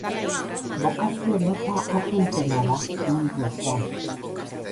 Bokazio mota arruntena da mundu osoan.